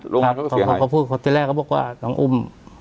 โรงงานเขาก็เสียหายเขาพูดที่แรกเขาบอกว่าน้องอุ้ม